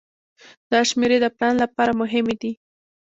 دا شمیرې د پلان لپاره مهمې دي.